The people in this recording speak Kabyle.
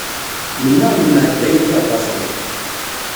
Mennaɣ lemmer d ay lliɣ d aẓru.